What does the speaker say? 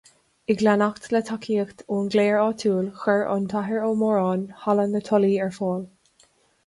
Ag leanacht le tacaíocht ón gcléir áitiúil, chuir an tAthair Ó Móráin halla na Tulaí ar fáil.